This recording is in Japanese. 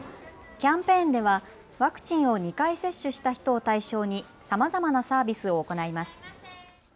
キャンペーンではワクチンを２回接種した人を対象にさまざまなサービスを行います。